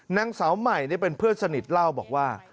นางสาวใหม่เป็นเพื่อนสนิทเล่าบอกว่า